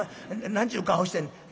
何ちゅう顔してんねん。